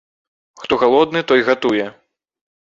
Хто галодны, той гатуе.